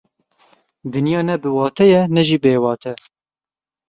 Dinya ne biwate ye, ne jî bêwate.